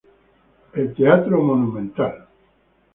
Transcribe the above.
La plaza de toros Monumental.